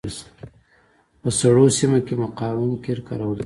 په سړو سیمو کې مقاوم قیر کارول کیږي